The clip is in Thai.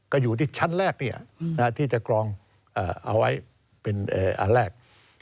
ก็อยู่ที่ชั้นแรกที่จะกรองเอาไว้เป็นอันแรก